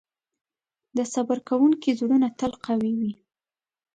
د صبر کوونکي زړونه تل قوي وي.